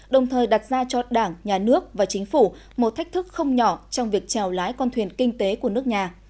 đồng thời đặt ra cho đảng nhà nước và chính phủ một thách thức không nhỏ trong việc trèo lái con thuyền kinh tế của nước nhà